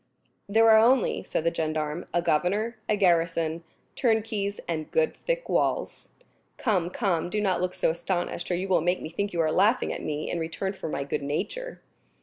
"There are only," said the gendarme, "a governor, a garrison, turnkeys, and good thick walls. Come, come, do not look so astonished, or you will make me think you are laughing at me in return for my good nature."